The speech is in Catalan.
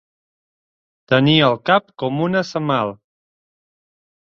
Tenir el cap com una semal.